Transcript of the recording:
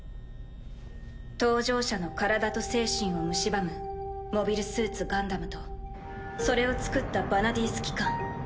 搭乗者の体と精神を蝕むモビルスーツガンダムとそれを造ったヴァナディース機関。